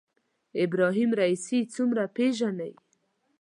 ابراهیم رئیسي څومره پېژنئ